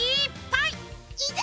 いざ